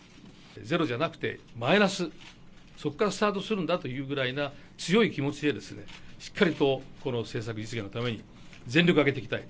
ゼロじゃなくてマイナス、そこからスタートするんだというぐらいの強い気持ちで、しっかりとこの政策のために全力を挙げていきたい。